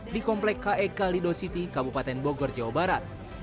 di komplek kek lido city kabupaten bogor jawa barat